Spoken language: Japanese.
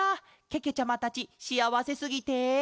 けけちゃまたちしあわせすぎて。